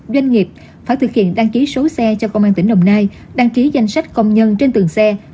doanh nghiệp phải thực hiện đăng ký số xe cho công an tỉnh đồng nai đăng ký danh sách công nhân trên từng xe